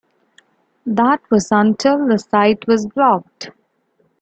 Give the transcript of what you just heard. That was until the site was blocked.